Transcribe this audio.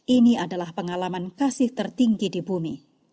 ini adalah pengalaman kasih tertinggi di bumi